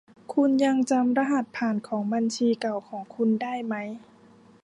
คุณยังจำรหัสผ่านของบัญชีเก่าของคุณได้ไหม